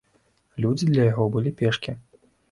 Людзі для яго былі пешкі.